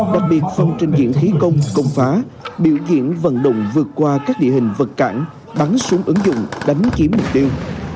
đặc biệt phần trình diễn khí công công phá biểu diễn vận động vượt qua các địa hình vật cản bắn súng ứng dụng đánh chiếm mục tiêu